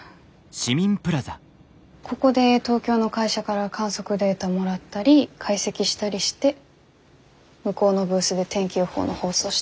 ここで東京の会社から観測データもらったり解析したりして向こうのブースで天気予報の放送してます。